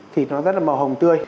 thịt nó rất là màu hồng tươi